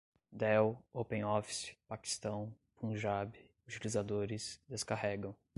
dell, openoffice, paquistão, punjab, utilizadores, descarregam